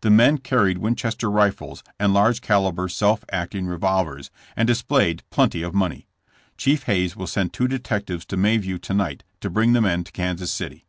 The men carried Winchester rifles and large caliber self acting revolvers, and displayed plenty of money. Chief Hayes will send two detectives to Mayview to night to bring the men to Kansas City.